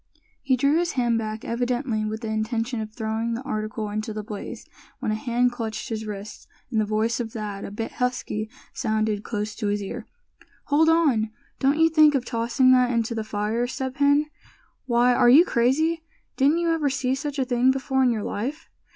He drew his hand back, evidently with the intention of throwing the article into the blaze, when a hand clutched his wrist, and the voice of Thad, a bit husky, sounded close to his ear: "Hold on! don't you think of tossing that into the fire, Step Hen! Why, are you crazy? Didn't you ever see such a thing before in your life.